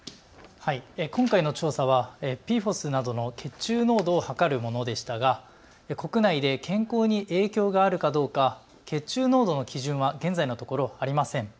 今回の調査はＰＦＯＳなどの血中濃度をはかるものでしたが国内で健康に影響があるかどうか血中濃度の基準は現在のところありません。